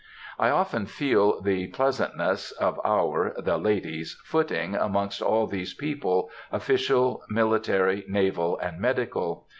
I often feel the pleasantness of our (the ladies') footing amongst all these people, official, military, naval, and medical.